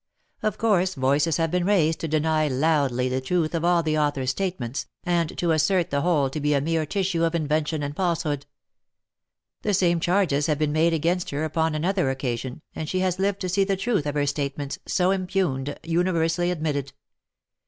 Of course voices have been raised to deny loudly the truth of all the author's statements, and to assert the whole to be a mere tissue of invention and falsehood. The same charges have been made against her upon another occasion, and she has lived to see the truth of her statements, so impugned, universally admitted.